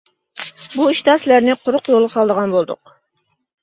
بۇ ئىشتا سىلەرنى قۇرۇق يولغا سالىدىغان بولدۇق.